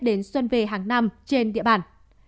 đến xuân về hàng năm trên địa bàn